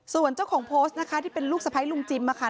ส่วนเจ้าของโพสต์นะคะที่เป็นลูกสะพ้ายลุงจิมค่ะ